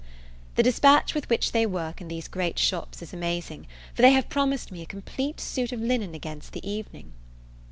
The dispatch with which they work in these great shops is amazing, for they have promised me a complete suit of linen against the evening.